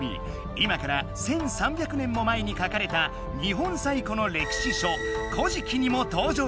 今から１，３００年も前に書かれた日本最古の歴史書「古事記」にも登場するばしょだ。